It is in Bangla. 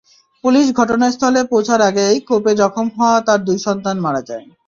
পুলিশ ঘটনাস্থলে পৌঁছার আগেই কোপে জখম হওয়া তাঁর দুই সন্তান মারা যায়।